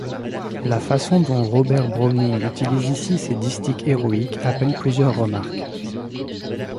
La façon dont Robert Browning utilise ici ces distiques héroïques appelle plusieurs remarques.